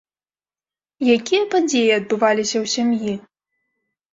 Якія падзеі адбываліся ў сям'і?